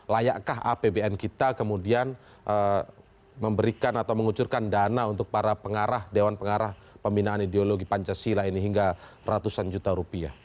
layakkah apbn kita kemudian memberikan atau mengucurkan dana untuk para pengarah dewan pengarah pembinaan ideologi pancasila ini hingga ratusan juta rupiah